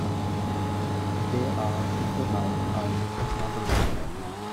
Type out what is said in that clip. They are, if you like, our new 'nobility'.